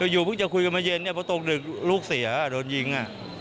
อยู่เพิ่งจะคุยกันมาเย็นเนี่ยเพราะตกดึกลูกเสียโดนยิง